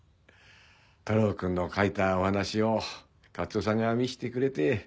太郎くんの書いたお話を勝夫さんが見してくれて。